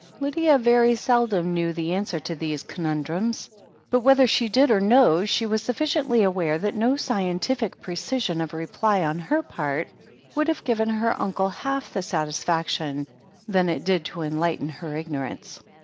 Lydia very seldom knew the answer to these conun drums, but whether she did or no, she was sufficiently aware that no scentific precision of reply on her part would have given her uncle half the satisfaction that it did to enlighten her ignorance.